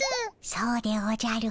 そうでおじゃる。